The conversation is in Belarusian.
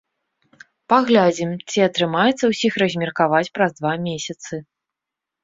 Паглядзім, ці атрымаецца ўсіх размеркаваць праз два месяцы.